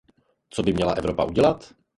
Co by měla Evropa dělat?